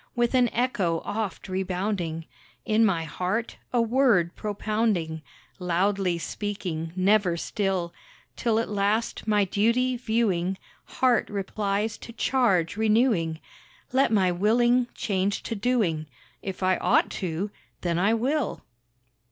With an echo oft rebounding, In my heart a word propounding, Loudly speaking, never still; Till at last, my duty viewing, Heart replies to charge renewing, Let my willing change to doing, If I ought to, then I will.